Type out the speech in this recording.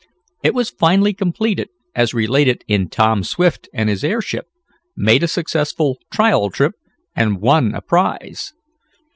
It was finally completed, as related in "Tom Swift and His Airship," made a successful trial trip, and won a prize.